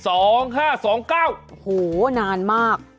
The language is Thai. โอ้โหนานมาก